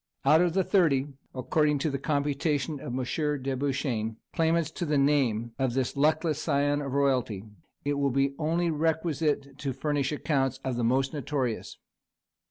Out of the thirty, according to the computation of M. de Beauchesne, claimants to the name of this luckless scion of royalty, it will be only requisite to furnish accounts of the most notorious.